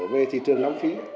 về thị trường nam phi